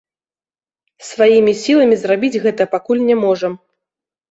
Сваімі сіламі зрабіць гэта пакуль не можам.